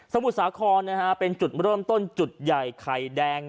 มุทรสาครนะฮะเป็นจุดเริ่มต้นจุดใหญ่ไข่แดง